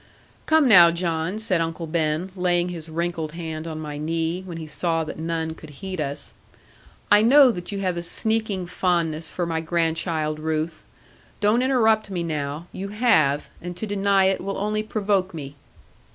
'Come now, John,' said Uncle Ben, laying his wrinkled hand on my knee, when he saw that none could heed us, 'I know that you have a sneaking fondness for my grandchild Ruth. Don't interrupt me now; you have; and to deny it will only provoke me.'